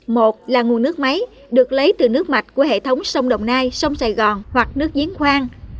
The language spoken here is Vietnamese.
một là nguồn nước máy được lấy từ nước mạch của hệ thống sông đồng nai sông sài gòn hoặc nước diễn khoan